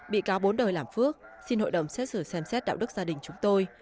bị cáo bốn đời làm phước xin hội đồng xét xử xem xét đạo đức gia đình chúng tôi